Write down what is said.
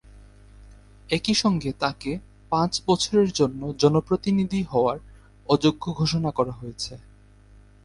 একই সঙ্গে তাঁকে পাঁচ বছরের জন্য জনপ্রতিনিধি হওয়ার অযোগ্য ঘোষণা করা হয়েছে।